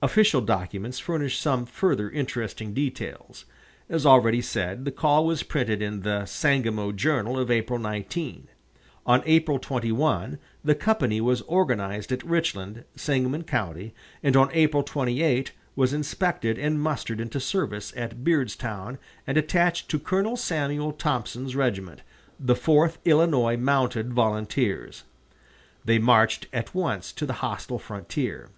Official documents furnish some further interesting details. As already said, the call was printed in the "Sangamo Journal" of April 19. On April 21 the company was organized at Richland, Sangamon County, and on April 28 was inspected and mustered into service at Beardstown and attached to Colonel Samuel Thompson's regiment, the Fourth Illinois Mounted Volunteers. They marched at once to the hostile frontier.